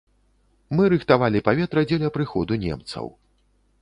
Мы рыхтавалі паветра дзеля прыходу немцаў.